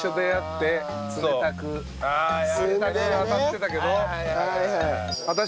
冷たく当たってたけど。